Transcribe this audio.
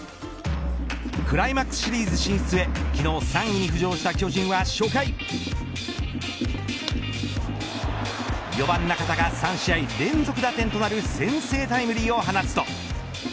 クライマックスシリーズ進出へ昨日３位に浮上した巨人は初回４番、中田が３試合連続打点となる先制タイムリーを放つと。